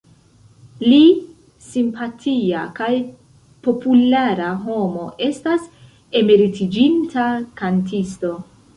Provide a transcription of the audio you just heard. Li, simpatia kaj populara homo, estas emeritiĝinta kantisto.